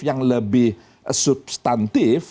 yang lebih substantif